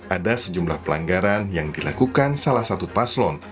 ada sejumlah pelanggaran yang dilakukan salah satu paslon